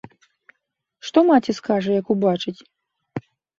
Што маці скажа, як убачыць?!